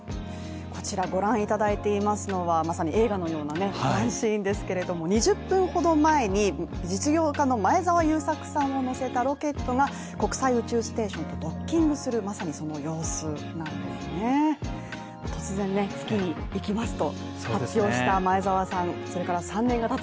こちらご覧いただいていますのはまさに映画のようなワンシーンですけれども２０分ほど前に実業家の前澤友作さんを乗せたロケットが国際宇宙ステーションとドッキングするまさにその様子、ドッキング成功したということになりますね。